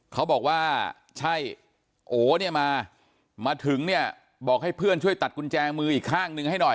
เขาบอกว่าใช่โอเนี่ยมามาถึงเนี่ยบอกให้เพื่อนช่วยตัดกุญแจมืออีกข้างหนึ่งให้หน่อย